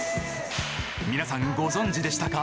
皆さんご存じでしたか？